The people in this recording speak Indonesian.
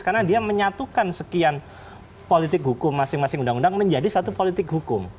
karena dia menyatukan sekian politik hukum masing masing undang undang menjadi satu politik hukum